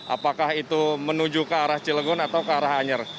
apakah itu menuju ke arah cilegon atau ke arah anyer